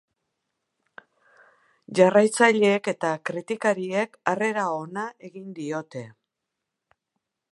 Jarraitzaileek eta kritikariek harrera ona egin diote.